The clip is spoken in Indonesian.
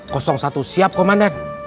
kosong satu siap komandan